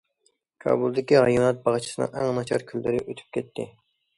كابۇلدىكى ھايۋانات باغچىسىنىڭ ئەڭ ناچار كۈنلىرى ئۆتۈپ كەتتى.